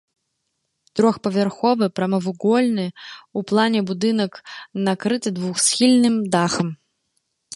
Трохпавярховы прамавугольны ў плане будынак накрыты двухсхільным дахам.